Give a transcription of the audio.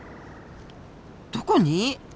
どこに？